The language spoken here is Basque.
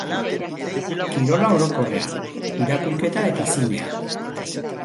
Kirola orokorean, irakurketa eta zinea.